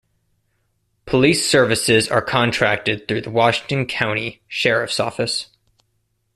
Police services are contracted through the Washington County Sheriff's Office.